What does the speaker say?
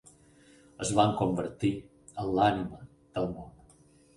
es van convertir en l'ànima del món.